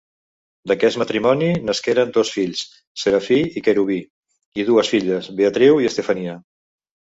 D'aquest matrimoni nasqueren dos fills Serafí i Querubí, i dues filles, Beatriu i Estefania.